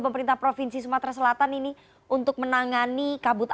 pemerintah provinsi sumatera selatan ini untuk menangani kesehatan kesehatan kesehatan kesehatan